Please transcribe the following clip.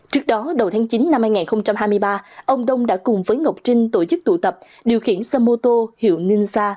trước đó đầu tháng chín năm hai nghìn hai mươi ba ông đông đã cùng với ngọc trinh tổ chức tụ tập điều khiển xe mô tô hiệu ninza